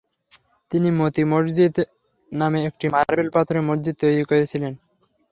তিনি মোতি মসজিদ নামে একটি মার্বেল পাথরের মসজিদ তৈরি করেছিলেন।